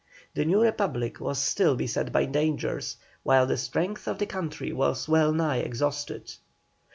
The new Republic was still beset by dangers, while the strength of the country was well nigh exhausted.